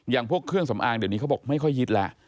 พวกเครื่องสำอางเดี๋ยวนี้เขาบอกไม่ค่อยยึดแล้ว